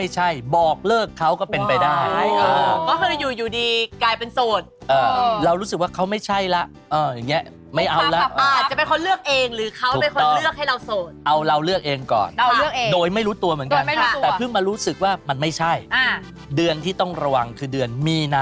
อ๋อมีนาคมกับตุลาคมนะคะทำเดือนที่ต้องระวังนิดหน่อยค่ะ